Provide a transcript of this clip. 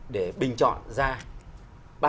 để bình chọn ra